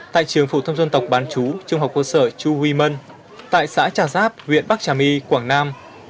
tại trường phổ thông dân tộc bán chú trung học cơ sở chu huy mân tại xã trà giáp huyện bắc trà my quảng nam